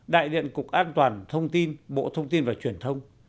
đại diện cục an toàn thông tin bộ thông tin và truyền thông